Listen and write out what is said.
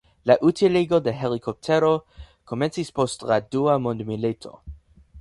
La utiligo de helikoptero komencis post la dua mondmilito.